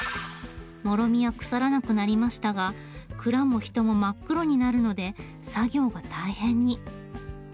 もろみは腐らなくなりましたが蔵も人も真っ黒になるので作業が大変に。